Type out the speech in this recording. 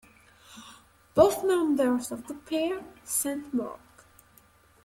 Both members of the pair scent mark.